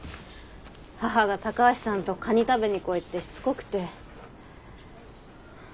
母が「高橋さんとカニ食べに来い」ってしつこくて。